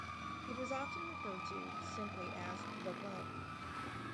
It was often referred to simply as "The Club".